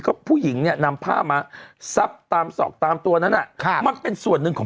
ก็ผู้หญิงเนี่ยนำผ้ามาซับตามศอกตามตัวนั้นมันเป็นส่วนหนึ่งของ